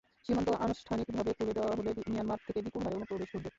সীমান্ত আনুষ্ঠানিকভাবে খুলে দেওয়া হলে মিয়ানমার থেকে বিপুল হারে অনুপ্রবেশ ঘটবে।